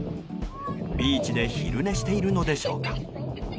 ビーチで昼寝しているのでしょうか。